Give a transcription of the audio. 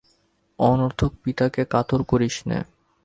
অনর্থক পিতাকে কাতর করিস নে।